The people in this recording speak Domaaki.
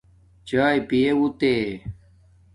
چاݵے پیااُتے